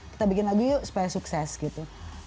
kita bikin lagi yuk supaya sukses gitu